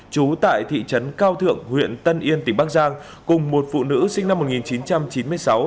trú tại thị trấn cao thượng huyện tân yên tỉnh bắc giang cùng một phụ nữ sinh năm một nghìn chín trăm chín mươi sáu